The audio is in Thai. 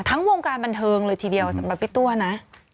วงการบันเทิงเลยทีเดียวสำหรับพี่ตัวนะ